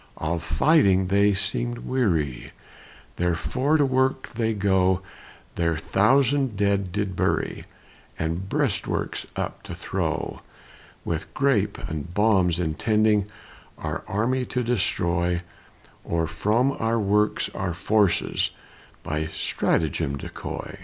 Of fighting they seem weary, Therefore to work they go Their thousand dead to bury, And breastworks up to throw; With grape and bombs intending Our army to destroy, Or from our works our forces By stratagem decoy.